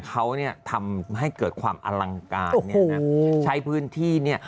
เขาเนี่ยทำให้เกิดความอลังการเนี่ยนะใช้พื้นที่เนี่ย